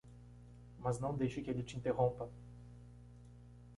Mas não deixe que ele te interrompa.